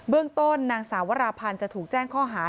เรื่องต้นนางสาววราพันธ์จะถูกแจ้งข้อหา